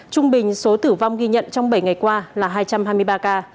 trung bình số tử vong ghi nhận trong bảy ngày qua là hai trăm hai mươi ba ca